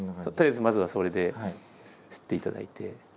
とりあえずまずはそれですっていただいて。